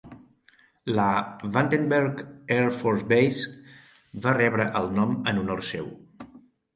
La Vandenberg Air Force Base va rebre el nom en honor seu.